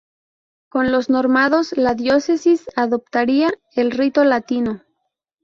Con los normandos la diócesis adoptaría el rito latino.